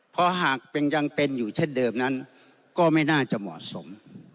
เพราะหากยังเป็นอยู่เช่นเดิมนั้นก็ไม่น่าจะเหมาะสม